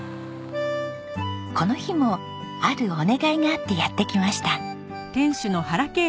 この日もあるお願いがあってやって来ました。